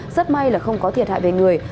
rất may là không có thiệt hại về người